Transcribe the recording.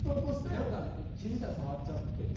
何か気付いたら触っちゃってて。